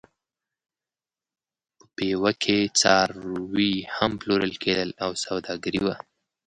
په پېوه کې څاروي هم پلورل کېدل او سوداګري وه.